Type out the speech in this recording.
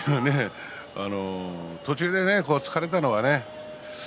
途中で突かれたのはね